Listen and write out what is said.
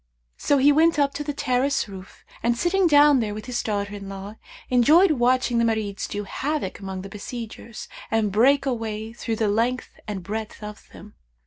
So he went up to the terrace roof and sitting down there with his daughter in law, enjoyed watching the Marids do havoc among the besiegers and break a way through the length and breadth of them.